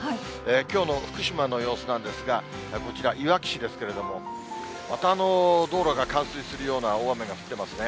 きょうの福島の様子なんですが、こちら、いわき市ですけれども、また道路が冠水するような大雨が降ってますね。